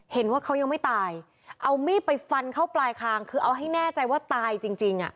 เห็นว่าเขายังไม่ตายเอามีดไปฟันเข้าปลายคางคือเอาให้แน่ใจว่าตายจริงจริงอ่ะ